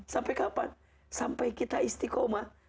sampai kapan sampai kita istiqomah